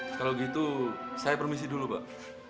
kalau gitu saya permisi dulu pak